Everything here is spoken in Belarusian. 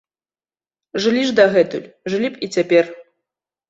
Жылі ж дагэтуль, жылі б і цяпер.